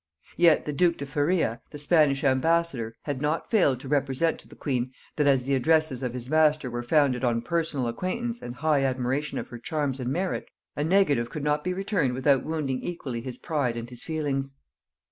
Yet the duke de Feria, the Spanish ambassador, had not failed to represent to the queen, that as the addresses of his master were founded on personal acquaintance and high admiration of her charms and merit, a negative could not be returned without wounding equally his pride and his feelings.